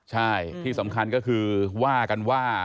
ใช่ที่สำคัญก็คือว่ากันว่า